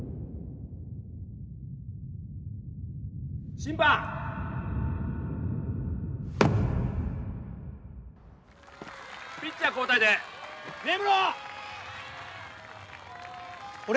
審判ピッチャー交代で根室俺？